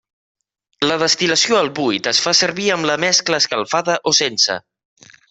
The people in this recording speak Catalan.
La destil·lació al buit es fa servir amb la mescla escalfada o sense.